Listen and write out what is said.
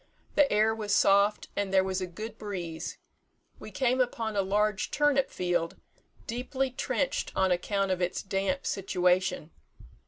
The air was soft, and there was a good breeze. We came upon a large turnip field, deeply trenched on account of its damp situation.